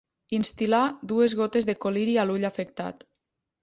Instil·lar dues gotes de col·liri a l'ull afectat.